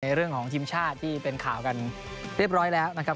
เรื่องของทีมชาติที่เป็นข่าวกันเรียบร้อยแล้วนะครับ